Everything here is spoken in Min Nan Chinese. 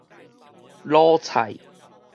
滷菜